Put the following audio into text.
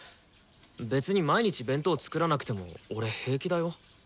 別に毎日弁当作らなくても俺平気だよ。